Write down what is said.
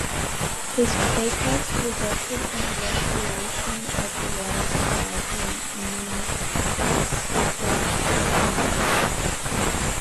His protest resulted in the restoration of the water supply to the municipal tenants.